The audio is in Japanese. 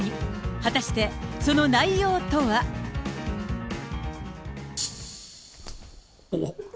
果たして、その内容とは？おっ。